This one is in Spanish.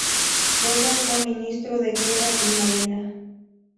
Luego fue Ministro de Guerra y Marina.